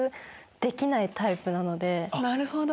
なるほど。